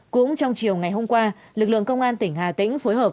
cũng trong chiều ngày hôm qua lực lượng công an tỉnh hà tĩnh phối hợp